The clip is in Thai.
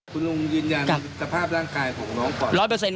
คุณลุงยืนยันสภาพร่างกายของน้องก่อน๑๐๐